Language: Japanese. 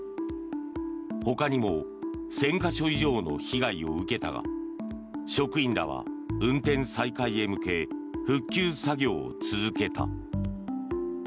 ほかにも１０００か所以上の被害を受けたが職員らは運転再開へ向け復旧作業を続けた。